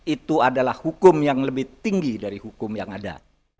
itu adalah hukum yang lebih tinggi dari hukum yang ada